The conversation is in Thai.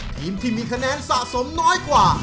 ทีมที่มีคะแนนสะสมน้อยกว่า